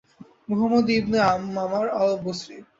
Muhammad ibn Mamar al-Basri